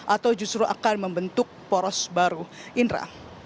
atau justru akan membentuk poros baru indra